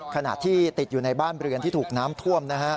ขนาดที่ติดอยู่ในบ้านเบรืองที่ถูกน้ำท่วม